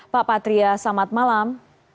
pak patria selamat malam